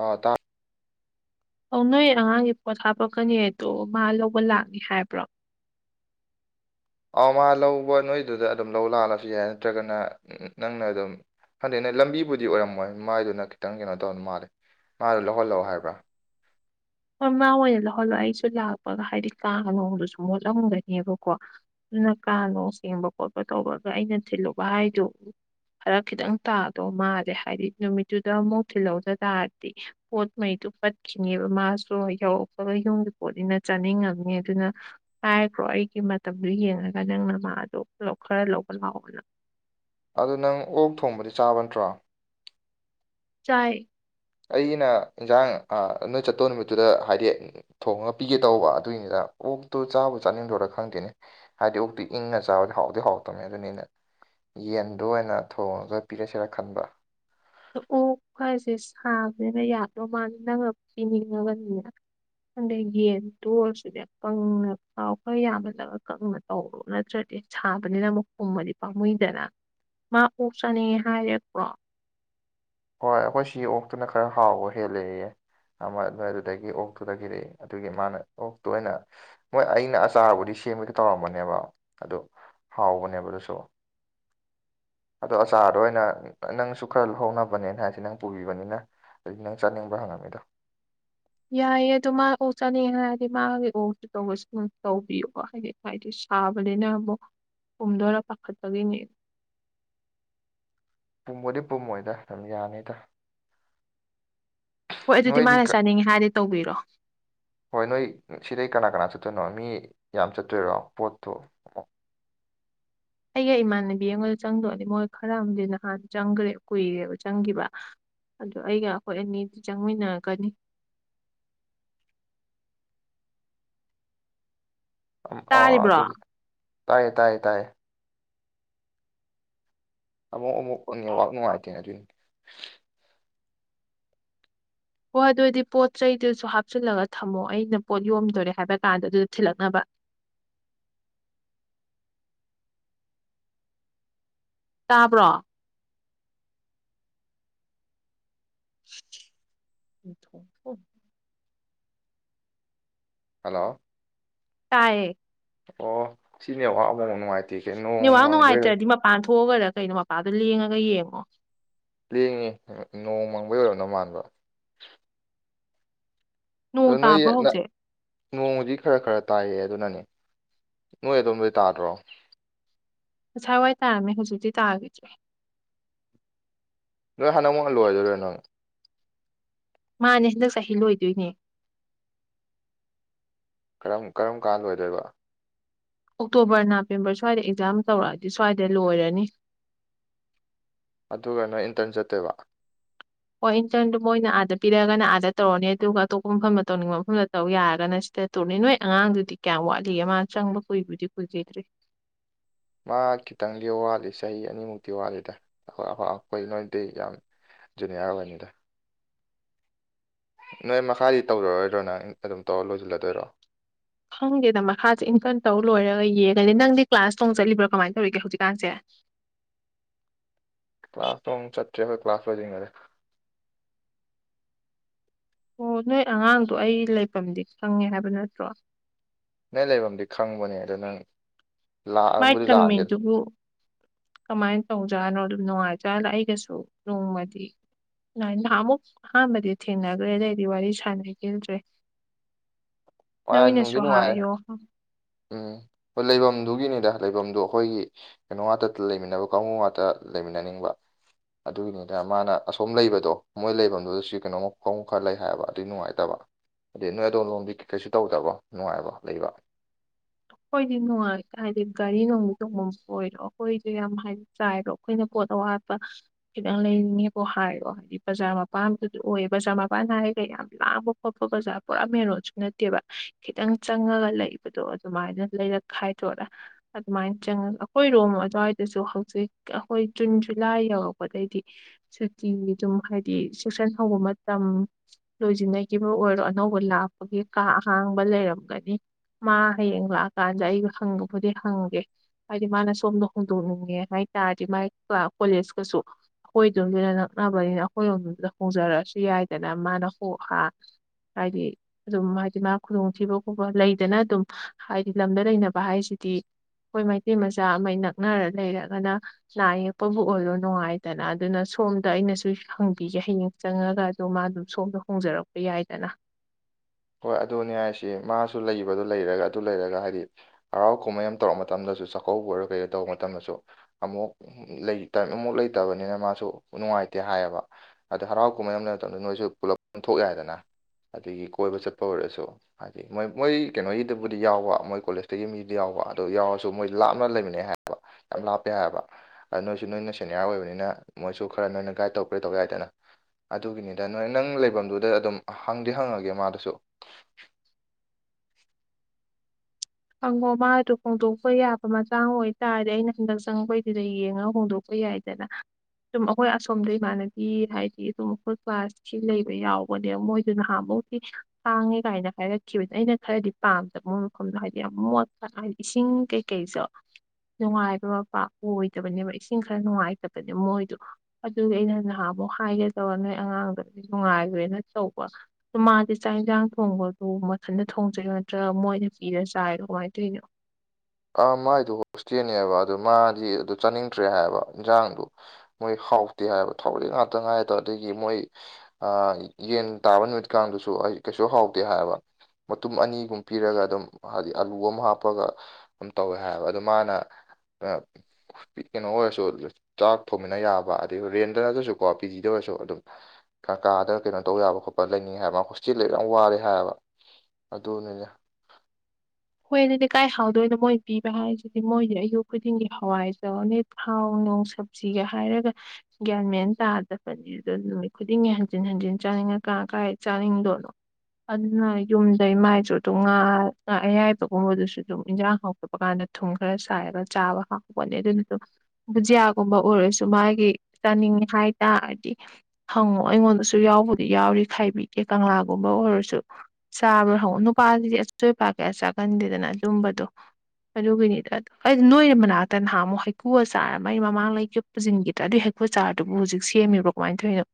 ꯑꯥ ꯇꯥ ꯑꯧ ꯃꯣꯏ ꯑꯉꯥꯡꯗꯤ ꯄꯣꯠ ꯍꯥꯞꯄꯛꯀꯅꯤ ꯑꯗꯨ ꯃꯥ ꯂꯧꯕ ꯂꯥꯛꯀꯦ ꯍꯥꯏꯕ꯭ꯔꯣ ꯑꯧ ꯃꯥ ꯂꯧꯕ ꯅꯣꯏꯗꯨꯗ ꯑꯗꯨꯝ ꯂꯧ ꯂꯥꯛꯍꯜꯂꯁꯨ ꯌꯥꯏ ꯅꯠꯇ꯭ꯔꯒꯅ ꯅꯪꯅ ꯑꯗꯨꯝ ꯈꯪꯗꯦꯅꯦ ꯂꯝꯕꯤꯕꯨꯗꯤ ꯑꯣꯏꯔꯝꯃꯣꯏ ꯃꯥꯏꯗꯨꯅ ꯈꯤꯇꯪ ꯀꯩꯅꯣ ꯇꯧꯕ ꯃꯥꯜꯂꯦ ꯃꯥꯗꯨ ꯂꯧꯍꯜꯂꯛꯑꯣ ꯍꯥꯏꯕ꯭ꯔ ꯍꯣꯏ ꯃꯥ ꯑꯣꯏꯅ ꯂꯧꯍꯜꯂꯣ ꯑꯩꯁꯨ ꯂꯥꯛꯄꯒ ꯍꯥꯏꯗꯤ ꯀꯥ ꯅꯨꯡ ꯗꯨꯁꯨ ꯃꯣꯠꯂꯝꯒꯅꯤꯕꯀꯣ ꯑꯗꯨꯅ ꯀꯥ ꯅꯨꯡ ꯁꯦꯡꯕ ꯈꯣꯠꯄ ꯇꯧꯕꯒ ꯑꯩꯅ ꯊꯤꯜꯂꯨꯕ ꯍꯥꯏꯗꯣ ꯐꯔꯛ ꯈꯤꯇꯪ ꯇꯥꯗꯧ ꯃꯥꯜꯂꯦ ꯍꯥꯏꯗꯤ ꯅꯨꯃꯤꯠꯇꯨꯗ ꯑꯃꯨꯛ ꯊꯤꯜꯍꯧꯗ ꯇꯥꯔꯗꯤ ꯄꯣꯠ ꯈꯩꯗꯨ ꯄꯠꯈꯤꯅꯦꯕ ꯃꯥꯁꯨ ꯌꯧꯔꯛꯄꯒ ꯌꯨꯝꯒꯤ ꯄꯣꯠꯅꯤꯅ ꯆꯥꯅꯤꯡꯉꯝꯅꯤ ꯑꯗꯨꯅ ꯍꯥꯏꯈ꯭ꯔꯣ ꯑꯩꯒꯤ ꯃꯇꯝꯗꯨ ꯌꯦꯡꯉꯒ ꯅꯪꯅ ꯃꯥꯗꯣ ꯂꯧ ꯈꯔ ꯂꯧꯕ ꯂꯥꯛꯑꯣꯅ ꯑꯗꯣ ꯅꯪ ꯑꯣꯛ ꯊꯣꯡꯕꯗꯤ ꯆꯥꯕ ꯅꯠꯇ꯭ꯔꯣ ꯆꯥꯏ ꯑꯩꯒꯤꯅ ꯌꯧꯟꯁꯥꯡ ꯑꯥ ꯅꯣꯏ ꯆꯠꯇꯧ ꯅꯨꯃꯤꯠꯇꯨꯗ ꯍꯥꯏꯗꯤ ꯊꯣꯡꯉꯒ ꯄꯤꯒꯦ ꯇꯧꯕ ꯑꯗꯨꯏꯅꯤꯗ ꯑꯣꯛꯇꯣ ꯆꯥꯕꯨ ꯆꯥꯅꯤꯡꯗꯣꯏꯔꯥ ꯈꯪꯗꯦꯅꯦ ꯍꯥꯏꯗꯤ ꯑꯣꯛꯇꯤ ꯏꯪꯅ ꯆꯥꯕꯗꯤ ꯍꯥꯎꯗꯤ ꯍꯥꯎꯇꯕꯅꯤ ꯑꯗꯨꯅꯤ ꯑꯩꯅ ꯌꯦꯟꯗꯣ ꯑꯣꯏꯅ ꯊꯣꯡꯉꯒ ꯄꯤꯔꯛꯁꯤꯔꯥ ꯈꯟꯕ ꯑꯣꯛ ꯍꯥꯏꯁꯦ ꯁꯥꯕꯅꯤꯅ ꯌꯥꯗꯧ ꯃꯥꯟꯗꯦ ꯅꯪꯅ ꯄꯤꯅꯤꯡꯉꯒꯗꯤꯅꯦ ꯈꯪꯗꯦ ꯌꯦꯟ ꯇꯣꯛꯑꯁꯨꯅꯦ ꯀꯪꯅ ꯇꯥꯎꯕ ꯌꯥꯒꯗꯕꯒ ꯀꯪꯅ ꯇꯧꯔꯣ ꯅꯠꯇ꯭ꯔꯗꯤ ꯁꯥꯕꯅꯤꯅ ꯑꯃꯨꯛ ꯄꯨꯝꯃꯗꯤ ꯄꯥꯝꯃꯨꯏꯗꯅ ꯃꯥ ꯑꯣꯛ ꯆꯥꯅꯤꯡꯉꯦ ꯍꯥꯏꯔꯦꯕ꯭ꯔꯣ ꯍꯣꯏ ꯑꯩꯈꯣꯏ ꯁꯤ ꯑꯣꯛꯇꯨꯅ ꯈꯔ ꯍꯥꯎꯕ ꯍꯦꯜꯂꯦꯌꯦ ꯑꯃ ꯅꯣꯏ ꯑꯗꯨꯗꯒꯤ ꯑꯣꯛꯇꯨꯗꯒꯤꯗꯤ ꯑꯗꯨꯒꯤ ꯃꯥꯅ ꯑꯣꯛꯇꯨ ꯑꯩꯅ ꯍꯣꯏ ꯑꯩꯅ ꯑꯆꯥꯔꯕꯨꯗꯤ ꯁꯦꯝꯃꯒꯦ ꯇꯧꯔꯝꯕꯅꯦꯕ ꯑꯗꯨ ꯍꯥꯎꯕꯅꯦꯕ ꯑꯗꯨꯁꯨ ꯑꯗꯣ ꯑꯆꯥꯔꯗꯣ ꯑꯩꯅ ꯅꯪꯁꯨ ꯈꯔ ꯂꯧꯍꯧꯅꯕꯅꯦꯅ ꯑꯩꯁꯨ ꯅꯪ ꯄꯨꯕꯤꯕꯅꯤꯅ ꯅꯪ ꯆꯥꯅꯤꯡꯕ꯭ꯔ ꯍꯪꯉꯝꯃꯤꯗꯣ ꯌꯥꯏꯌꯦ ꯑꯗꯨ ꯃꯥ ꯑꯣꯛ ꯆꯥꯅꯤꯡꯉꯦ ꯍꯥꯏꯔꯗꯤ ꯃꯥꯒꯤ ꯑꯣꯛꯇꯨ ꯇꯧꯔꯁꯨ ꯎꯝ ꯇꯧꯕꯤꯌꯨꯀꯣ ꯍꯥꯏꯗꯤ ꯍꯥꯏꯗꯤ ꯁꯥꯕꯅꯤꯅ ꯑꯃꯨꯛ ꯄꯨꯝꯗꯣꯏꯔ ꯄꯥꯈꯠꯄꯒꯤꯅꯤ ꯄꯨꯝꯕꯗꯤ ꯄꯨꯝꯃꯣꯏꯗ ꯑꯗꯨꯝ ꯌꯥꯅꯤꯗ ꯍꯣꯏ ꯑꯗꯨꯗꯤ ꯅꯣꯏꯗꯤ ꯃꯥꯅ ꯀ- ꯆꯥꯅꯤꯡꯉꯦ ꯍꯥꯏꯔꯗꯤ ꯇꯧꯕꯤꯔꯣ ꯍꯣꯏ ꯅꯣꯏ ꯁꯤꯗꯩ ꯀꯅꯥ ꯀꯅꯥ ꯆꯠꯇꯣꯏꯅꯣ ꯃꯤ ꯌꯥꯝ ꯆꯠꯇꯣꯏꯔꯣ ꯄꯣꯠꯇꯨ ꯑꯩꯒꯤ ꯏꯃꯥꯟꯅꯕꯤ ꯑꯃꯒ ꯆꯪꯗꯣꯏ ꯃꯣꯏ ꯈꯔ ꯑꯃꯗꯤ ꯅꯍꯥꯟ ꯆꯪꯈ꯭ꯔꯦ ꯀꯨꯏꯔꯦꯕ ꯆꯪꯈꯤꯕ ꯑꯗꯨ ꯑꯩꯒ ꯑꯩꯈꯣꯏ ꯑꯅꯤꯗꯤ ꯆꯪꯃꯤꯟꯅꯔꯛꯀꯅꯤ ꯑꯝ ꯑꯥ ꯇꯥꯔꯤꯕ꯭ꯔꯣ ꯗꯨꯗꯤ ꯇꯥꯏꯌꯦ ꯇꯥꯏꯌꯦ ꯇꯥꯏꯌꯦ ꯑꯃꯨꯛ ꯑꯃꯨꯛ ꯅꯦꯠꯋꯥꯛ ꯅꯨꯡꯉꯥꯏꯇꯦ ꯉꯁꯤ ꯍꯣꯏ ꯑꯗꯨꯗꯤ ꯄꯣꯠ ꯆꯩꯗꯨꯁꯨ ꯍꯥꯞꯆꯤꯜꯂꯒ ꯊꯝꯃꯣ ꯑꯩꯅ ꯄꯣꯠ ꯌꯣꯝꯗꯣꯔꯦ ꯍꯥꯏꯕ ꯀꯥꯟ ꯗꯨꯗ ꯊꯤꯜꯂꯛꯅꯕ ꯇꯥꯕ꯭ꯔꯣ [inaudible] ꯍꯦꯜꯂꯣ ꯇꯥꯏꯌꯦ ꯑꯣ ꯁꯤ ꯅꯦꯠꯋꯥꯛ ꯑꯅꯨꯛ ꯃꯨꯛ ꯅꯨꯡꯉꯥꯏ ꯅꯦꯠꯋꯥꯛ ꯅꯨꯡꯉꯥꯏꯇ꯭ꯔꯗꯤ ꯃꯄꯥꯟ ꯊꯣꯛꯑꯒꯔ ꯀꯩꯅꯣ ꯃꯄꯥꯗꯨ ꯂꯦꯡꯉꯒ ꯌꯦꯡꯉꯣ ꯂꯦꯡꯉꯦ ꯅꯣꯡ ꯃꯪꯕꯩ ꯑꯣꯏꯔꯝꯗꯧ ꯃꯥꯟꯕ ꯑꯗꯨ ꯅꯣꯡ ꯅꯣꯏ ꯇꯥꯕ꯭ꯔꯣ ꯅ ꯍꯧꯖꯤꯛ ꯅꯣꯡꯕꯨꯗꯤ ꯈꯔ ꯈꯔ ꯇꯥꯏꯌꯦ ꯑꯗꯨꯅꯅꯦ ꯅꯣꯏ ꯑꯗꯣꯝꯗꯗꯤ ꯇꯥꯗ꯭ꯔꯣ ꯉꯁꯥꯏꯋꯥꯏ ꯇꯥꯔꯝꯃꯦ ꯍꯧꯖꯤꯛꯇꯤ ꯇꯥꯒꯤꯗ꯭ꯔꯦ ꯅꯣꯏ ꯍꯥꯟꯅꯃꯨꯛ ꯍꯜ ꯂꯣꯏꯗꯣꯔꯦ ꯅꯪ ꯃꯥꯅꯦ ꯍꯟꯗꯛ ꯆꯍꯤ ꯂꯣꯏꯗꯨꯏꯅꯦ ꯀꯔꯝ ꯀꯔꯝ ꯀꯥꯟ ꯂꯣꯏꯗꯣꯏꯕ ꯑꯣꯛꯇꯣꯕꯔ ꯅꯕꯦꯝꯕꯔ ꯁ꯭ꯋꯥꯏꯗ ꯑꯦꯛꯖꯥꯝ ꯇꯧꯔꯛꯑꯗꯤ ꯁ꯭ꯋꯥꯏꯗ ꯂꯣꯏꯔꯅꯤ ꯑꯗꯨꯒ ꯅꯣꯏ ꯏꯟꯇ꯭ꯔꯟ ꯆꯠꯇꯨꯏꯕ ꯍꯣꯏ ꯏꯟꯇꯔꯟꯗꯣ ꯃꯣꯏꯅ ꯑꯥꯗ ꯄꯤꯔꯛꯑꯒꯅ ꯑꯥꯗ ꯇꯧꯔꯅꯤ ꯑꯗꯨꯒ ꯑꯇꯣꯞꯄ ꯃꯐꯝꯗ ꯇꯧꯅꯤꯡꯕ ꯃꯐꯝꯗ ꯇꯧ ꯌꯥꯔꯒꯅ ꯁꯤꯗ ꯇꯣꯅꯤ ꯅꯣꯏ ꯑꯉꯥꯡꯗꯨꯗꯤ ꯀꯌꯥꯝ ꯋꯥꯠꯂꯤꯒꯦ ꯃꯥ ꯆꯪꯕ ꯀꯨꯏꯕꯨꯗꯤ ꯀꯨꯏꯒꯤꯗ꯭ꯔꯤ ꯃꯥ ꯈꯤꯇꯪꯗꯤ ꯋꯥꯠꯂꯤ ꯆꯍꯤ ꯑꯅꯤꯃꯨꯛꯇꯤ ꯋꯥꯠꯂꯤꯗ ꯑꯈꯣꯏ ꯑꯈꯣꯏ ꯑꯈꯣꯏ ꯅꯣꯏꯗꯩ ꯌꯥꯝ ꯖꯨꯅꯤꯌꯥꯔ ꯑꯣꯏꯅꯤꯗ ꯅꯣꯏ ꯃꯈꯥꯗꯤ ꯇꯧꯗꯔꯣꯏꯗ꯭ꯔꯣ ꯅꯪ ꯑꯗꯨꯝ ꯇꯧꯔ ꯂꯣꯏꯁꯜꯂꯗꯣꯏꯔꯣ ꯈꯪꯗꯦꯗ ꯃꯈꯥꯥꯖꯦ ꯏꯟꯇꯔꯟ ꯇꯧ ꯂꯣꯏꯔꯒ ꯌꯦꯡꯉꯅꯤ ꯅꯪꯗꯤ ꯀ꯭ꯂꯥꯁ ꯅꯨꯡ ꯆꯠꯂꯤꯕ꯭ꯔꯥ ꯀꯃꯥꯏꯟ ꯇꯧꯔꯤꯒꯦ ꯍꯧꯖꯤꯛꯀꯥꯟꯁꯦ ꯀ꯭ꯂꯥꯁ ꯅꯨꯡ ꯆꯠꯇ꯭ꯔꯦ ꯑꯈꯣꯏ ꯀ꯭ꯂꯥꯁ ꯂꯣꯏꯗ꯭ꯔꯤꯉꯥꯏꯗ ꯑꯣ ꯅꯣꯏ ꯑꯉꯥꯡꯗꯣ ꯑꯩ ꯂꯩꯕꯝꯗꯤ ꯈꯪꯉꯦ ꯍꯥꯏꯕ ꯅꯠꯇ꯭ꯔꯣ ꯅꯣꯏ ꯂꯩꯕꯝꯗꯤ ꯈꯪꯕꯅꯦ ꯑꯗꯣ ꯅꯪ ꯃꯥꯏ ꯂꯥꯛꯑꯕꯨꯗꯤ ꯂꯥꯛꯑꯒꯦ ꯀꯃꯦꯟꯠꯇꯨꯕꯨ ꯀꯃꯥꯏ ꯇꯧꯖꯥꯠꯅꯣ ꯑꯗꯨꯝ ꯅꯨꯡꯉꯥꯏꯖꯥꯠꯂ ꯑꯩꯒꯁꯨ ꯅꯣꯡꯃꯗꯤ ꯅꯥꯏ ꯅꯍꯥꯟꯃꯨꯛ ꯑꯍꯥꯟꯕꯗꯤ ꯊꯦꯡꯅꯒ꯭ꯔꯦ ꯑꯗꯩꯗꯤ ꯋꯥꯔꯤ ꯁꯥꯟꯅꯒꯤꯗ꯭ꯔꯦ ꯅꯨꯡꯗꯤ ꯅꯣꯏꯅꯁꯨ ꯅꯨꯡꯉꯥꯏꯔꯦ ꯍꯥꯏꯌꯣ ꯎꯝ ꯍꯣꯏ ꯂꯩꯚꯝꯗꯨꯒꯤꯅꯤꯗ ꯂꯩꯚꯝꯗꯣ ꯑꯈꯣꯏꯒꯤ ꯀꯩꯅꯣ ꯉꯥꯛꯇ ꯂꯩꯃꯤꯟꯅꯕ ꯀꯥꯡꯕꯨ ꯉꯥꯛꯇ ꯂꯩꯃꯤꯟꯅꯅꯤꯡꯕ ꯑꯗꯨꯒꯤꯅꯤꯗ ꯃꯥꯅ ꯑꯁꯣꯝ ꯂꯩꯕꯗꯣ ꯃꯣꯏ ꯂꯩꯕꯝꯗꯨꯗ ꯁꯤ ꯀꯩꯅꯣꯝꯃ ꯐꯝꯨꯡ ꯈꯔ ꯂꯩ ꯍꯥꯏꯕ ꯑꯗꯨꯏ ꯅꯨꯡꯉꯥꯏꯇꯕ ꯑꯗꯤ ꯅꯣꯏ ꯑꯗꯣꯝ ꯂꯣꯝꯗꯤ ꯀꯤ ꯀꯩꯁꯨ ꯇꯧꯗꯕꯣ ꯅꯨꯡꯉꯥꯏꯕꯣ ꯂꯩꯕ ꯑꯈꯣꯏꯗꯤ ꯅꯨꯡꯉꯥꯏ ꯍꯥꯏꯗꯤ ꯒꯥꯔꯤ ꯅꯨꯡꯂꯤ ꯇꯣꯡꯕꯝꯕꯨ ꯑꯣꯏꯔꯣ ꯑꯈꯣꯏꯖꯦ ꯌꯥꯝ ꯍꯥꯏꯗꯤ ꯆꯥꯏꯕ ꯑꯈꯣꯏꯅ ꯄꯣꯠ ꯑꯋꯥꯠꯄ ꯈꯤꯇꯪ ꯂꯩꯅꯤꯡꯉꯦꯕꯨ ꯍꯥꯏꯔꯣ ꯗꯤ ꯕꯖꯥꯔ ꯃꯄꯥꯟ [unintelligible] ꯑꯣꯏꯌꯦ ꯕꯖꯥꯔ ꯃꯄꯥꯟ ꯍꯥꯏꯔꯒ ꯌꯥꯝ ꯂꯥꯞꯄ ꯈꯣꯠꯄ ꯕꯖꯥꯔ ꯄꯨꯔꯥ ꯃꯦꯟ ꯔꯣꯗꯁꯨ ꯅꯠꯇꯦꯕ ꯈꯤꯇꯪ ꯆꯪꯉꯒ ꯂꯩꯕꯗꯣ ꯗꯨꯃꯥꯏꯅ ꯂꯩꯔꯛ ꯈꯥꯏꯇꯣꯔ ꯑꯗꯨꯃꯥꯏꯟ ꯆꯪꯉ ꯑꯈꯣꯏꯔꯣꯝ ꯑꯗ꯭ꯋꯥꯏꯗꯁꯨ ꯍꯧꯖꯤꯛ ꯑꯈꯣꯏ ꯖꯨꯟ ꯖꯨꯂꯥꯏ ꯌꯧꯔꯛꯄꯗꯩꯗꯤ ꯁꯨꯇꯤꯒꯤ ꯑꯗꯨꯝ ꯍꯥꯏꯗꯤ ꯁꯦꯁꯟ ꯍꯧꯕ ꯃꯇꯝ ꯂꯣꯏꯖꯤꯟꯅꯒꯤꯕ ꯑꯣꯏꯔꯣ ꯑꯅꯧꯕ ꯂꯥꯛꯄꯒꯤ ꯀꯥ ꯑꯍꯥꯡꯕ ꯂꯩꯔꯝꯒꯅꯤ ꯃꯥ ꯍꯌꯦꯡ ꯂꯥꯛꯑꯀꯥꯟꯗ ꯑꯩ ꯍꯪꯕꯕꯨꯗꯤ ꯍꯪꯒꯦ ꯍꯥꯏꯗꯤ ꯃꯥꯅ ꯁꯣꯝꯗ ꯍꯣꯡꯇꯣꯛꯅꯤꯡꯉꯦ ꯍꯥꯏꯇꯥꯥꯔꯗꯤ ꯃꯥꯥꯏ ꯀ꯭ꯂꯥ ꯀꯣꯂꯦꯖꯀꯁꯨ ꯑꯈꯣꯏ ꯑꯗꯣꯝꯒꯤꯅ ꯅꯛꯅꯕꯅꯤꯅ ꯑꯈꯣꯏ ꯂꯣꯝꯗꯖꯨ ꯍꯣꯡꯖꯔꯛꯑꯁꯨ ꯌꯥꯏꯗꯅꯥ ꯃꯥꯅ ꯍꯣ ꯍꯥ ꯍꯥꯏꯗꯤ ꯑꯗꯨꯝ ꯍꯥꯏꯗꯤ ꯃꯥ ꯈꯨꯗꯣꯡꯊꯤꯕꯒꯨꯝꯕ ꯂꯩꯗꯅ ꯑꯗꯨꯝ ꯍꯥꯏꯗꯤ ꯂꯝꯗ ꯂꯩꯅꯕ ꯍꯥꯏꯁꯤꯗꯤ ꯑꯈꯣꯏ ꯃꯩꯇꯩ ꯃꯆꯥ ꯑꯃ ꯅꯛꯅꯔ ꯂꯩꯔꯒꯅ ꯅꯥ ꯌꯦꯛꯄꯕꯨ ꯑꯣꯏꯔꯣ ꯅꯨꯡꯉꯥꯏꯗꯅ ꯑꯗꯨꯅ ꯁꯣꯝꯗ ꯑꯩꯅꯁꯨ ꯍꯪꯕꯤꯒꯦ ꯍꯌꯦꯡ ꯆꯪꯉꯛꯑꯒ ꯑꯗꯨꯝ ꯃꯥ ꯗꯨꯝ ꯁꯣꯝꯗ ꯍꯣꯡꯖꯔꯛꯄ ꯌꯥꯏꯗꯅ ꯍꯣꯏ ꯑꯗꯨꯅꯦ ꯍꯥꯏꯁꯦ ꯃꯥꯁꯨ ꯂꯩꯕꯗꯨ ꯂꯩꯔꯒ ꯑꯗꯨ ꯂꯩꯔꯒ ꯍꯥꯏꯗꯤ ꯍꯔꯥꯎ ꯀꯨꯝꯍꯩ ꯑꯝ ꯇꯧꯔꯛ ꯃꯇꯝꯗꯁꯨ ꯆꯥꯛꯀꯧꯕ ꯑꯣꯏꯔꯣ ꯀꯩꯑꯣ ꯇꯧꯕ ꯃꯇꯝꯗꯁꯨ ꯑꯃꯨꯛ ꯂꯩꯇ ꯑꯃꯨꯛ ꯂꯩꯇꯕꯅꯤꯅ ꯃꯥꯁꯨ ꯅꯨꯡꯉꯥꯏꯇꯦ ꯍꯥꯏꯌꯦꯕ ꯑꯗ ꯍꯔꯥꯎ ꯀꯨꯝꯍꯩ ꯑꯃ ꯂꯩ ꯃꯇꯝꯗ ꯅꯣꯏꯁꯨ ꯄꯨꯂꯞ ꯊꯣꯛ ꯌꯥꯏꯗꯅ ꯑꯗꯒꯤ ꯀꯣꯏꯕ ꯆꯠꯄ ꯑꯣꯏꯔꯁꯨ ꯍꯥꯏꯗꯤ ꯃꯣꯏ ꯃꯣꯏ ꯀꯩꯅꯣꯒꯤꯗꯕꯨꯗꯤ ꯌꯥꯎꯕ ꯃꯣꯏ ꯀꯣꯂꯦꯖꯇꯒꯤ ꯃꯤꯗꯤ ꯌꯥꯎꯕ ꯑꯗꯨ ꯌꯥꯎꯔꯁꯨ ꯃꯣꯏ ꯂꯥꯞꯅ ꯂꯩꯃꯤꯟꯅꯩ ꯍꯥꯏꯕ ꯌꯥꯝ ꯂꯥꯞꯄꯦ ꯍꯥꯏꯕ ꯑ ꯅꯣꯏꯁꯨ ꯅꯣꯏꯅ ꯁꯦꯅꯤꯌꯥꯔ ꯑꯣꯏꯕꯅꯤꯅ ꯃꯣꯏꯁꯨ ꯈꯔ ꯅꯣꯏꯅ ꯒꯥꯏꯗ ꯇꯧꯄꯤꯔ ꯇꯧ ꯌꯥꯏꯗꯅ ꯑꯗꯨꯒꯤꯅꯤꯗ ꯅꯣꯏ ꯅꯪ ꯂꯩꯕꯝꯗꯨꯗ ꯑꯗꯨꯝ ꯍꯪꯗꯤ ꯍꯪꯉꯒꯦ ꯃꯥꯗꯨꯁꯨ ꯍꯪꯉꯣ ꯃꯥꯗꯣ ꯍꯣꯡꯗꯣꯛꯄ ꯌꯥꯕ ꯃꯇꯥꯡ ꯑꯣꯏꯇꯥꯔꯗꯤ ꯑꯩꯅ ꯍꯟꯗꯛ ꯆꯪꯉꯛꯄꯩꯗꯨꯗ ꯌꯦꯡꯉꯒ ꯍꯣꯡꯗꯣꯛꯄ ꯌꯥꯏ ꯗ‌ꯦꯅꯥ ꯑꯗꯨꯝ ꯑꯈꯣꯏ ꯑꯁꯣꯝꯗ ꯏꯃꯥꯟꯅꯕꯤ ꯍꯥꯏꯗꯤ ꯑꯗꯨꯝ ꯑꯈꯣꯏ ꯀ꯭ꯂꯥꯁꯀꯤ ꯂꯩꯕ ꯌꯥꯎꯕꯅꯦ ꯃꯣꯏꯗꯨ ꯅꯍꯥꯟꯃꯨꯛ ꯇꯥꯡꯉꯦ ꯀꯥꯏꯅ ꯍꯥꯏꯔꯛꯈꯤꯕꯅ‌‌ꯦ ꯑꯩꯅ ꯈꯔꯗꯤ ꯄꯥꯝꯗꯕ ꯃꯣꯏ ꯃꯐꯝꯗꯣ ꯍꯥꯏ ꯌꯥꯝ ꯃꯣꯠꯄ ꯍꯥꯏꯗꯤ ꯏꯁꯤꯡ ꯀꯩꯀꯩꯁꯨ ꯅꯨꯡꯉꯥꯏꯕ ꯃꯄꯥ ꯑꯣꯏꯗꯕꯅꯦꯕ ꯏꯁꯤꯡ ꯈꯔ ꯅꯨꯡꯉꯥꯏꯇꯕꯅꯦ ꯃꯣꯏꯗꯨ ꯑꯗꯨꯒꯤ ꯑꯩꯅ ꯅꯍꯥꯟꯃꯨꯛ ꯍꯥꯏꯒꯦ ꯇꯧꯔ ꯅꯣꯏ ꯑꯉꯥꯡꯒꯩ ꯅꯨꯡꯉꯥꯏꯒ꯭ꯔ‌ꯣꯏꯅ ꯇꯧꯕ ꯃꯥꯗꯤ ꯆꯥꯛ ꯌꯦꯟꯁꯥꯡ ꯊꯣꯡꯕꯗꯣ ꯃꯊꯟꯇ ꯊꯣꯡꯖꯩꯔ‌ꯣ ꯅꯠꯇ꯭ꯔ ꯃꯣꯏꯅ ꯄꯤꯔ ꯆꯥꯏꯔꯣ ꯀꯃꯥꯏ ꯇꯧꯏꯅꯣ ꯑꯥ ꯃꯥꯏꯗꯣ ꯍꯣꯁꯇꯦꯟꯅꯦꯕ ꯑꯗꯨ ꯃꯥꯗꯤ ꯑꯗꯨ ꯆꯥꯅꯤꯡꯗ꯭ꯔꯦ ꯍꯥꯏꯕ ꯏꯟꯖꯥꯡꯗꯨ ꯃꯣꯏ ꯍꯥꯎꯇꯦ ꯍꯥꯏꯕ ꯊꯥꯎꯔꯦꯛ ꯉꯥꯛꯇ ꯉꯥꯏꯗ ꯑꯗꯒꯤ ꯃꯣꯏ ꯑꯥ ꯌꯦꯟ ꯇꯥꯕ ꯅꯨꯃꯤꯠꯀꯥꯡꯗꯨꯁꯨ ꯑꯩ ꯀꯩꯁꯨ ꯍꯥꯎꯇꯦ ꯍꯥꯏꯕ ꯃꯇꯨꯝ ꯑꯅꯤꯒꯨꯝ ꯄꯤꯔꯒ ꯑꯗꯨꯝ ꯍꯥꯏꯗꯤ ꯑꯂꯨ ꯑꯃ ꯍꯥꯞꯄꯒ ꯑꯗꯨꯝ ꯇꯧꯋꯦ ꯍꯥꯏꯕ ꯑꯗꯣ ꯃꯥꯅ ꯑꯥ [unintelligible] ꯀꯩꯅꯣ ꯑꯣꯏꯔꯁꯨ ꯆꯥꯛ ꯊꯣꯡꯃꯤꯟꯅ ꯌꯥꯕ ꯑꯗꯩ ꯔꯦꯟꯗ ꯅꯠꯇ꯭ꯔꯁꯨꯀꯣ ꯄꯤ ꯖꯤ ꯗ ꯑꯣꯏꯔꯁꯨ ꯑꯗꯨꯝ ꯈꯔ ꯀꯥꯗꯒ ꯀꯩꯅꯣ ꯇꯧ ꯌꯥꯕ ꯈꯣꯠꯄ ꯂꯩꯅꯤꯡꯉꯦ ꯍꯥꯏꯕ ꯍꯣꯁꯇꯦꯜ ꯂꯩꯕ ꯌꯥꯝ ꯋꯥꯔꯦ ꯍꯥꯏꯕ ꯑꯗꯨꯅꯤꯗ ꯍꯣꯏ ꯑꯗꯨꯗꯤ ꯀꯥꯏ ꯍꯥꯎꯗꯣꯏꯅꯣ ꯃꯣꯏ ꯄꯤꯕ ꯍꯥꯏꯁꯤꯗꯤ ꯃꯣꯏꯗꯤ ꯑꯌꯨꯛ ꯈꯨꯗꯤꯡꯒꯤ ꯍꯋꯥꯏ ꯇꯧꯔꯅꯤ ꯊꯥꯎ ꯅꯨꯡ ꯁꯕꯖꯤꯒ ꯍꯥꯏꯔꯒ ꯒ꯭ꯌꯥꯟ ꯃꯦꯟ ꯇꯥꯗꯕꯅꯤ [unintelligible] ꯅꯨꯃꯤꯠ ꯈꯨꯗꯤꯡꯒꯤ ꯍꯟꯖꯤꯟ ꯍꯟꯖꯤꯟ ꯆꯥꯅꯤꯡꯉ ꯀꯥ ꯀꯥꯏ ꯆꯥꯅꯤꯡꯗꯣꯅꯣ ꯑꯗꯨꯅ ꯌꯨꯝꯗ ꯏꯃꯥꯏꯁꯨ ꯑꯗꯨꯝ ꯉꯥ ꯉꯥ ꯑꯌꯥꯏꯕ ꯑꯗꯨꯒꯨꯝꯕꯗꯨꯁꯨ ꯑꯗꯨꯝ ꯏꯟꯖꯥꯡ ꯍꯥꯎꯇꯕ ꯀꯥꯟꯗ ꯊꯨꯝ ꯈꯔ ꯆꯥꯏꯔꯒ ꯆꯥꯕ ꯍꯥꯎꯕꯅꯦ ꯑꯗꯨꯅꯁꯨ ꯕꯨꯖꯤꯌꯥꯒꯨꯝꯕ ꯑꯣꯏꯔꯁꯨ ꯃꯥꯒꯤ ꯆꯥꯅꯤꯡꯉꯦ ꯍꯥꯏꯇꯥꯔꯗꯤ ꯍꯪꯉꯣ ꯑꯩꯉꯣꯟꯗꯁꯨ ꯌꯥꯎꯕꯨꯗꯤ ꯌꯥꯎꯔꯤ ꯈꯥꯏꯕꯤꯒꯦ ꯀꯪꯂꯥꯒꯨꯝꯕ ꯑꯣꯏꯔꯁꯨ ꯆꯥꯕ꯭ꯔꯣ ꯍꯪꯉꯣ ꯅꯨꯄꯥꯁꯤꯗꯤ ꯑꯆꯣꯏ ꯄꯥ ꯀꯌꯥ ꯆꯥꯒꯟꯗꯦꯗꯅ ꯑꯗꯨꯝꯕꯗꯣ ꯑꯗꯨꯒꯤꯅꯤꯗ ꯑꯗ‌ꯣ ꯑꯩ ꯅꯣꯏ ꯃꯅꯥꯛꯇ ꯅꯍꯥꯟ ꯃꯨꯛ ꯍꯩꯀꯨ ꯑꯆꯥꯔ ꯑꯃ ꯑꯩ ꯃꯃꯥꯡ ꯂꯩꯈꯤꯕ ꯄꯨꯁꯤꯟꯈꯤꯗ꯭ꯔꯥ ꯍꯩꯀꯔꯨ ꯑꯆꯥꯔꯗꯨꯕꯨ ꯍꯧꯖꯤꯛ ꯁꯦꯝꯃꯤꯕ꯭ꯔꯣ ꯀꯃꯥꯏꯟ ꯇꯧꯏꯅꯣ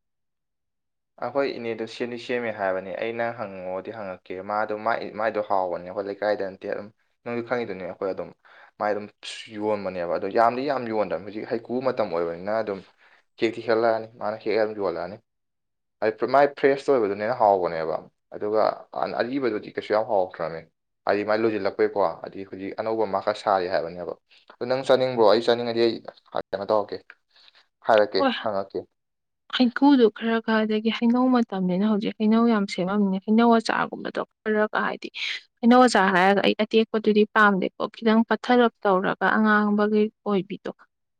ꯑꯈꯣꯏ ꯏꯅꯦꯗꯣ ꯁꯦꯝꯗꯤ ꯁꯦꯝꯃꯦ ꯍꯥꯏꯕꯅ‌ꯦ ꯑꯩꯅ ꯍꯪꯉꯣꯗꯤ ꯍꯪꯉꯛꯀꯦ ꯃꯥꯗꯣ ꯃꯥꯏ ꯃꯥꯏꯗꯣ ꯍꯥꯎꯕꯅꯦ ꯑꯩꯈꯣꯏ ꯂꯩ ꯀꯥꯏꯗ ꯅꯠꯇꯦ ꯑꯝ ꯅꯪꯁꯨ ꯈꯪꯉꯤꯗꯨꯅꯤ ꯑꯈꯣꯏ ꯑꯗꯨꯝ ꯃꯥꯏ ꯑꯗꯨꯝ ꯌꯣꯟꯕꯅꯦꯕ ꯑꯗꯣ ꯌꯥꯝꯗꯤ ꯌꯥꯝ ꯌꯣꯟꯗꯝ ꯍꯧꯖꯤꯛ ꯍꯩꯀꯨ ꯃꯇꯝ ꯑꯣꯏꯕꯅꯤꯅ ꯑꯗꯨꯝ ꯍꯦꯛꯇꯤ ꯍꯦꯛꯂꯑꯅꯤ ꯃꯥꯅ ꯍꯦꯛꯑꯒ ꯌꯣꯜꯂꯑꯅꯤ [unintelligible] ꯃꯥꯏ ꯐ꯭ꯔꯦꯁ ꯑꯣꯏꯕꯗꯨꯅ ꯍꯦꯟꯅ ꯍꯥꯎꯕꯅꯦꯕ ꯑꯗꯨꯒ ꯑꯟ ꯑꯔꯤꯕꯗꯨꯗꯤ ꯀꯩꯁꯨ ꯌꯥꯝ ꯍꯥꯎꯇ꯭ꯔꯃ‌ꯦ ꯍꯥꯏꯗꯤ ꯃꯥꯏ ꯂꯣꯏꯖꯤꯜꯂꯛꯄꯩꯀꯣ ꯍꯥꯏꯗꯤ ꯈ‌ꯣꯏꯒꯤ ꯑꯅꯧꯕ ꯃꯥ ꯈꯔ ꯁꯥꯔꯤ ꯍꯥꯏꯕꯅꯦꯕ ꯑꯗꯨ ꯅꯪ ꯆꯥꯅꯤꯡꯕ꯭ꯔꯣ ꯑꯩ ꯆꯥꯅꯤꯡꯉꯗꯤ ꯑꯩ ꯀꯩꯅꯣ ꯇꯧꯔꯀꯦ ꯍꯥꯏꯔꯛꯀꯦ ꯍꯣꯏ ꯍꯪꯉꯛꯀꯦ [inaudible] ꯍꯩꯀꯨꯗꯣ ꯈꯔ ꯈꯔ ꯑꯗꯒꯤ ꯍꯩꯅꯧ ꯃꯇꯝꯅꯤꯅ ꯍꯧꯖꯤꯛ ꯍꯩꯅꯧ ꯌꯥꯝ ꯁꯦꯝꯃꯝꯅꯤ ꯍꯩꯅꯧ ꯑꯆꯥꯔꯒꯨꯝꯕꯗꯣ [unintelligible] ꯍꯥꯏꯗꯤ ꯍꯩꯅꯧ ꯑꯆꯥꯔ ꯍꯥꯏꯔꯒ ꯑꯩ ꯑꯇꯦꯛꯄꯗꯨꯗꯤ ꯄꯥꯝꯗꯦꯀꯣ ꯈꯤꯇꯪ ꯄꯠꯊꯔꯞ ꯇꯧꯔꯒ ꯑꯉꯥꯡꯕꯒꯤ ꯑꯣꯏꯕꯤꯗꯣ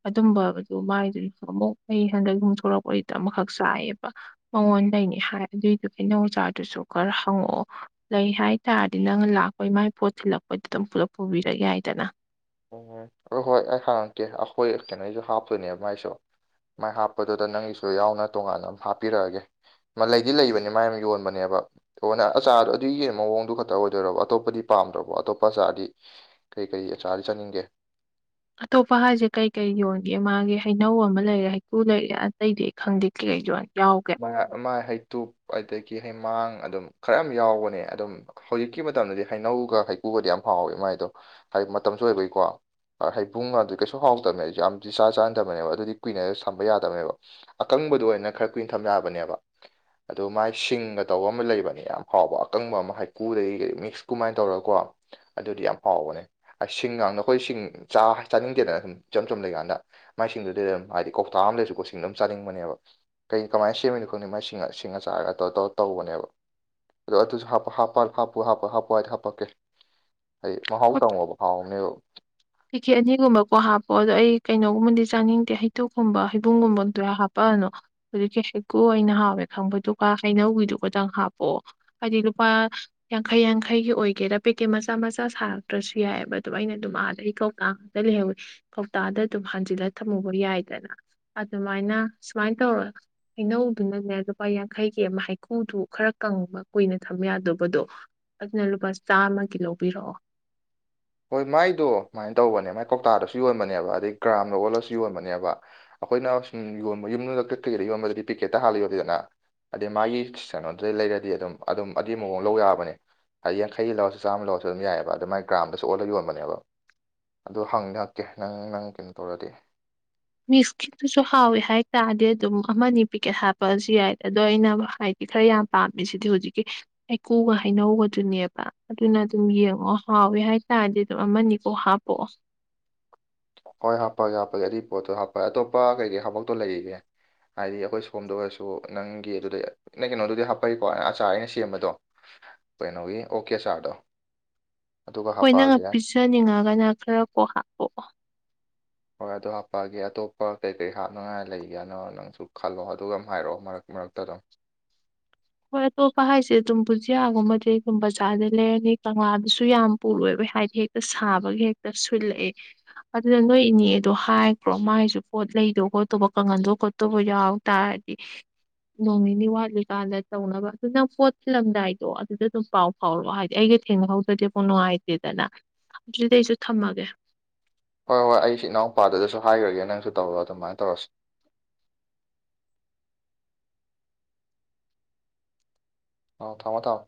ꯑꯗꯨꯝꯕꯗꯨ ꯃꯥꯏꯗꯨꯗꯤ ꯑꯃꯨꯛ ꯑꯩ ꯍꯟꯗꯛ ꯌꯨꯝ ꯊꯣꯛꯔꯛꯄꯩꯗ ꯑꯃꯈꯛ ꯆꯥꯏꯌꯦꯕ ꯃꯉꯣꯟꯗꯩꯅꯦ ꯍꯥꯏꯔꯗꯤ ꯑꯗꯨ ꯍꯩꯅꯧ ꯑꯆꯥꯔꯗꯨꯁꯨ ꯈꯔ ꯍꯪꯉꯛꯑꯣ ꯂꯩ ꯍꯥꯏ ꯇꯥꯔꯗꯤ ꯅꯪꯅ ꯂꯥꯛꯄꯩ ꯃꯥꯏ ꯄꯣꯠ ꯊꯤꯜꯂꯛꯄꯩꯗ ꯑꯗꯨꯝ ꯄꯨꯂꯞ ꯄꯨꯕꯤꯔꯛ ꯌꯥꯏꯗꯅ ꯎꯝ ꯍꯣꯏ ꯍꯣꯏ ꯑꯩ ꯍꯪꯉꯛꯀꯦ ꯑꯈꯣꯏ ꯀꯩꯅꯣꯏꯁꯨ ꯍꯥꯞꯇꯣꯏꯅꯦꯕ ꯃꯥꯏꯁꯨ ꯃꯥꯏ ꯍꯥꯞꯄꯗꯨꯗ ꯅꯪꯒꯤꯁꯨ ꯌꯥꯎꯅ ꯇꯣꯉꯥꯟꯅ ꯑꯃ ꯍꯥꯞꯄꯤꯔꯛꯑꯒꯦ ꯃ ꯂꯩꯗꯤ ꯂꯩꯕꯅꯦ ꯃꯥ ꯌꯥꯝ ꯌꯣꯟꯕꯅꯦꯕ [unintelligible] ꯑꯆꯥꯔꯗꯣ ꯑꯗꯨꯒꯤ ꯃꯑꯣꯡꯗꯨ ꯈꯛꯇ ꯑꯣꯏꯗꯣꯏꯔꯣ ꯑꯇꯣꯞꯄꯗꯤ ꯄꯥꯝꯗ꯭ꯔꯕꯣ ꯑꯇꯣꯞꯄ ꯑꯆꯥꯔꯗꯤ ꯀꯩ ꯀꯩ ꯑꯆꯥꯔ ꯆꯥꯅꯤꯡꯒꯦ ꯑꯇꯣꯞꯄ ꯍꯥꯏꯁꯦ ꯀꯩ ꯀꯩ ꯌꯣꯟꯒꯦ ꯃꯥꯒꯤ ꯍꯩꯅꯧ ꯑꯃ ꯂꯩꯔꯦ ꯍꯩꯀꯨ ꯂꯩꯔꯦ ꯑꯇꯩꯗꯤ ꯑꯩ ꯈꯪꯗꯦ [unintelligible] ꯌꯥꯎꯒ ꯃꯥꯏ ꯑꯃ ꯍꯩꯇꯨꯞ ꯑꯗꯒꯤ ꯍꯩꯃꯥꯡ ꯑꯗꯨꯝ ꯈꯔꯌꯥꯝ ꯌꯥꯎꯕꯅꯦ ꯑꯗꯨꯝ ꯍꯧꯖꯤꯛꯀꯤ ꯃꯇꯝꯗꯗꯤ ꯍꯩꯅꯧꯒ ꯍꯩꯀꯨꯒꯗꯤ ꯌꯥꯝ ꯍꯥꯎꯋꯦ ꯃꯥꯏꯗꯣ ꯍꯥꯏ ꯃꯇꯝꯁꯨ ꯑꯣꯏꯕꯩꯀꯣ ꯑ ꯍꯩꯕꯨꯡꯒꯗꯣ ꯀꯩꯁꯨ ꯍꯥꯎꯇꯝꯅꯦ ꯑꯩꯖꯨ ꯌꯥꯝꯗꯤ ꯆꯥ ꯆꯥꯟꯗꯕꯅꯦꯕ ꯑꯗꯨꯗꯤ ꯀꯨꯏꯅꯖꯨ ꯁꯝꯕ ꯌꯥꯗꯕꯅꯦꯕ ꯑꯀꯪꯕꯗꯨ ꯑꯣꯏꯅ ꯈꯔ ꯀꯨꯏꯟ ꯊꯝ ꯌꯥꯕꯅꯦꯕ ꯑꯗꯨ ꯃꯥꯏ ꯁꯤꯡꯒ ꯇꯧꯕ ꯑꯃ ꯂꯩꯕꯅꯦ ꯌꯥꯝ ꯍꯥꯎꯕ ꯑꯀꯪꯕ ꯑꯃꯥ ꯍꯩꯀꯨꯗꯒꯤ ꯀꯩ ꯃꯤꯛꯁ ꯀꯨꯃꯥꯏꯟ ꯇꯧꯔ ꯀꯣ ꯑꯗꯨꯗꯤ ꯌꯥꯝ ꯍꯥꯎꯕꯅꯦ ꯑꯁꯤꯡꯒꯥꯡꯗ ꯑꯩꯈꯣꯏ ꯁꯤꯡ ꯆꯥ ꯆꯥꯅꯤꯡꯗꯦꯗꯅ ꯁꯨꯝ ꯏꯆꯝ ꯆꯝ ꯂꯩꯒꯥꯟꯗ ꯃꯥꯏꯁꯤꯡꯗꯨꯗꯤ ꯗꯨꯝ ꯑꯥꯏꯗꯤ ꯀꯧꯇꯥ ꯑꯝ ꯂꯩꯔꯁꯨ ꯀꯣ ꯁꯤꯡ ꯑꯝ ꯆꯥꯅꯤꯡꯕꯅꯦꯕ ꯀꯩ ꯀꯃꯥꯏ ꯁꯦꯝꯃꯤꯅꯣ ꯈꯪꯗꯦ ꯃꯥꯏ ꯁꯤꯡ ꯁꯤꯡ ꯑꯆꯥꯔꯒ ꯇꯧꯔ ꯇꯧꯔ ꯇꯧꯕꯅꯦꯕ ꯑꯗꯣ ꯑꯗꯨꯖꯨ ꯍꯥꯞꯄ ꯍꯥꯞꯄ ꯍꯥꯞꯄꯨ ꯍꯥꯄ ꯍꯥꯄꯨꯑꯥꯗꯤ ꯍꯥꯞꯄꯛꯀꯦ ꯍꯥꯏꯗꯤ ꯃꯍꯥꯎ ꯍꯣꯏ ꯇꯪꯉꯣꯕ ꯍꯥꯎꯅꯦꯕ ꯄꯦꯀꯦꯠ ꯑꯅꯤꯒꯨꯝꯕ ꯀꯣ ꯍꯥꯞꯄꯑꯣ ꯑꯗꯣ ꯑꯩ ꯀꯩꯅꯣꯒꯨꯝꯕꯗꯤ ꯆꯥꯅꯤꯡꯗꯦ ꯍꯩꯇꯨꯞꯀꯨꯝꯕ ꯍꯩꯕꯨꯡꯒꯨꯝꯕ ꯗꯨꯔ ꯍꯥꯞꯄꯛꯑꯅꯣ ꯍꯧꯖꯤꯛꯁꯤ ꯍꯩꯀꯨ ꯑꯣꯏꯅ ꯍꯥꯎꯋꯦ ꯈꯪꯕꯗꯨꯒ ꯍꯩꯅꯧꯒꯤꯗꯨꯒ ꯇꯪ ꯍꯥꯞꯄꯑꯣ ꯍꯥꯏꯗꯤ ꯂꯨꯄꯥ ꯌꯥꯡꯈꯩ ꯌꯥꯡꯈꯩꯒꯤ ꯑꯣꯏꯒꯦꯔꯥ ꯄꯦꯀꯦꯠ ꯃꯆꯥ ꯃꯆꯥ ꯁꯥꯔꯛꯇ꯭ꯔꯁꯨ ꯌꯥꯏꯌꯦꯕ ꯑꯗꯨꯝ ꯑꯩꯅ ꯗꯨꯝ ꯑꯥꯗꯩ ꯊꯣꯛꯀꯥꯛꯇꯥ ꯂꯩꯍꯧꯋꯦ ꯀꯧꯇꯥꯗ ꯑꯗꯨꯝ ꯍꯥꯟꯖꯤꯜꯂ ꯊꯝꯃꯨꯕ ꯌꯥꯏꯗꯅ ꯑꯗꯨꯃꯥꯏꯅ ꯁꯨꯃꯥꯏ ꯇꯧꯔꯣ ꯍꯩꯅꯧꯗꯨꯅꯅꯦ ꯂꯨꯄꯥ ꯌꯥꯡꯈꯩꯒꯤ ꯑꯃ ꯍꯩꯀꯨꯗꯨ ꯈꯔ ꯀꯪꯕ ꯀꯨꯏꯅ ꯊꯝ ꯌꯥꯗꯣꯕꯗꯣ ꯑꯗꯨꯅ ꯂꯨꯄꯥ ꯆꯥꯝꯃꯒꯤ ꯂꯧꯕꯤꯔꯛꯑꯣ ꯍꯣꯏ ꯃꯥꯏꯗꯣ ꯃꯥꯏꯟ ꯇꯧꯕꯅꯦ ꯃꯥꯏ ꯀꯧꯇꯥꯗꯁꯨ ꯌꯣꯟꯕꯅꯦꯕ ꯑꯗꯩ ꯒ꯭ꯔꯥꯝꯗ ꯑꯣꯜꯂꯁꯨ ꯌꯣꯟꯕꯅꯦꯕ ꯑꯩꯈꯣꯏꯅ ꯁꯨꯝ ꯌꯣꯟꯕ ꯌꯨꯝꯂꯛꯀ ꯀꯩꯗ ꯌꯣꯟꯕꯗꯗꯤ ꯄꯤꯀꯦꯠꯇ ꯍꯥꯜꯂ ꯌꯣꯂꯤꯗꯅ ꯑꯗꯩ ꯃꯥꯒꯤ ꯀꯩꯅꯣꯗꯨꯗꯩ ꯂꯩꯔꯗꯤ ꯑꯗꯨꯝ ꯑꯗꯨꯝ ꯑꯗꯤ ꯃꯑꯣꯡ ꯂꯧ ꯌꯥꯕꯅꯦ ꯍꯥꯏꯗꯤ ꯌꯥꯡꯈꯩꯒꯤ ꯂꯧꯔꯁꯨ ꯆꯥꯝ ꯂꯧꯔꯁꯨ ꯑꯗꯨꯝ ꯌꯥꯑꯦꯕ ꯑꯗꯨ ꯃꯥꯏ ꯒ꯭ꯔꯥꯝꯗ ꯁꯨ ꯑꯣꯟꯂ ꯌꯣꯟꯕꯅꯦꯕ ꯑꯗꯣ ꯍꯪꯗꯤ ꯍꯪꯀꯦ ꯅꯪ ꯅꯪ ꯀꯩꯅꯣ ꯇꯧꯔꯗꯤ ꯃꯤꯁꯀꯤꯠꯇꯨꯁꯨ ꯍꯥꯎꯋꯦ ꯍꯥꯏꯇꯥꯗꯤ ꯑꯗꯨꯝ ꯑꯃꯅꯤ ꯄꯤꯀꯦꯠ ꯍꯥꯞꯄꯑꯁꯨ ꯌꯥꯏ ꯑꯗꯣ ꯑꯩꯅ ꯍꯥꯏꯠ ꯈꯔ ꯌꯥꯝ ꯄꯥꯝꯃꯤ ꯁꯤꯗꯤ ꯍꯨꯖꯤꯛꯀꯤ ꯍꯩꯀꯨꯒ ꯍꯩꯅꯧꯒꯗꯨꯅꯦꯕ ꯑꯗꯨꯅ ꯑꯗꯨꯝ ꯌꯦꯡꯉꯣ ꯍꯥꯎꯋꯦ ꯍꯥꯏꯇꯥꯔꯗꯤ ꯗꯨ ꯑꯃꯅꯤꯀꯣ ꯍꯥꯞꯄꯑꯣ ꯍꯣꯏ ꯍꯥꯞꯄꯒꯦ ꯍꯥꯞꯄꯒꯦ ꯑꯗꯨꯏ ꯄꯣꯠꯇꯣ ꯍꯥꯞꯄ ꯑꯇꯣꯞꯄ ꯀꯩꯀꯩ ꯍꯥꯞꯄꯛꯇꯣ ꯂꯩꯔꯤꯒꯦ ꯍꯥꯏꯗꯤ ꯑꯈꯣꯏ ꯁꯣꯝꯗ ꯑꯣꯏꯔꯁꯨ ꯅꯪꯒꯤ ꯑꯗꯨꯗꯩ ꯅꯪ ꯀꯩꯅꯣꯗꯨꯗꯤ ꯍꯥꯞꯄꯩꯀꯣ ꯑꯆꯥꯔ ꯑꯩꯅ ꯁꯦꯝꯕꯗꯣ ꯀꯩꯅꯣꯒꯤ ꯑꯣꯛꯀꯤ ꯑꯆꯥꯔꯗꯣ ꯑꯗꯨꯒ ꯍꯣꯏ ꯅꯪꯅ ꯍꯥꯞꯄꯛꯑꯒꯦ ꯄꯤꯖꯅꯤꯡꯉꯒꯅ ꯈꯔ ꯀꯣꯛ ꯍꯥꯞꯄꯛꯑꯣ ꯍꯣꯏ ꯑꯗꯨ ꯍꯥꯞꯄꯛꯑꯒꯦ ꯑꯇꯣꯞꯄ ꯀꯩ ꯀꯩ ꯍꯥꯞꯅꯉꯥꯏ ꯂꯩꯒꯦꯅꯣ ꯅꯪꯁꯨ ꯈꯜꯂꯣ ꯑꯗꯨꯒ ꯑꯝ ꯍꯥꯏꯔꯛꯑꯣ ꯃꯔꯛ ꯃꯔꯛꯇ ꯑꯗꯨꯝ ꯍꯣꯏ ꯑꯇꯣꯞꯄ ꯍꯥꯏꯁꯦ ꯑꯗꯨꯝ ꯕꯨꯖꯤꯌꯥꯒꯨꯝꯕꯗꯤ ꯒꯨꯝꯕ ꯕꯖꯥꯔꯗꯩ ꯂꯩꯔꯅꯤ ꯀꯪꯂꯥꯗꯨꯁꯨ ꯌꯥꯝ ꯄꯨꯔꯣꯏꯕ ꯍꯥꯏꯗꯤ ꯇ ꯁꯥꯕꯒꯤ ꯍꯦꯛꯇ ꯁꯨꯠꯂꯛꯑꯦ ꯑꯗꯨꯅ ꯅꯣꯏ ꯏꯅꯦꯗꯣ ꯍꯥꯏꯒ꯭ꯔꯣ ꯃꯥꯏꯖꯨ ꯄꯣꯠ ꯂꯩꯗꯣ ꯈꯣꯠꯇꯣꯕ ꯀꯪꯍꯟꯗꯣ ꯈꯣꯠꯇꯧꯕ ꯌꯥꯎ ꯇꯥꯔ ꯗꯤ ꯅꯣꯡꯅꯤꯅꯤ ꯋꯥꯠꯂꯤ ꯀꯥꯟꯗ ꯇꯧꯅꯕ ꯑꯗꯨ ꯅꯪ ꯄꯣꯠ ꯊꯤꯜꯂꯝꯗꯥꯏꯗꯣ ꯑꯗꯨꯗ ꯑꯗꯨꯝ ꯄꯥꯎ ꯐꯥꯎꯔꯛꯑꯣ ꯍꯥꯏꯗꯤ ꯑꯩꯒ ꯊꯦꯡꯅꯍꯧꯗ꯭ꯔꯗꯤ ꯑꯃꯨ ꯅꯨꯡꯉꯥꯏ ꯇꯦꯗꯅ ꯑꯗꯨꯗꯤ ꯑꯩꯁꯨ ꯊꯝꯃꯒꯦ ꯍꯣꯏ ꯍꯣꯏ ꯑꯩꯁꯨ ꯏꯅꯥꯎꯄꯥꯗꯨꯗꯁꯨ ꯍꯥꯏꯒ꯭ꯔꯒꯦ ꯅꯪꯁꯨ ꯇꯧꯔꯣ ꯑꯗꯨꯃꯥꯏꯟ ꯇꯧꯔꯁꯤ ꯑꯥꯎ ꯊꯝꯃꯣ ꯊꯝꯃꯣ